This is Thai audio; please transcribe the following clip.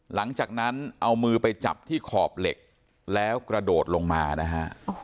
หลังจากนั้นเอามือไปจับที่ขอบเหล็กแล้วกระโดดลงมานะฮะ